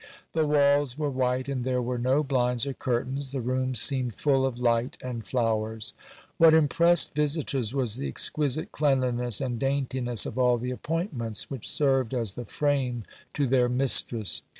The walls were white and there were no blinds or curtains; the room seemed full of light and flowers. What impressed visitors was the exquisite cleanliness and daintiness of all the appointments which served as the frame to their mistress.